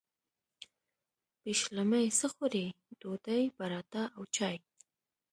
پیشلمۍ څه خورئ؟ ډوډۍ، پراټه او چاي